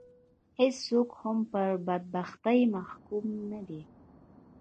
هېڅوک هم پر بدبختي محکوم نه دي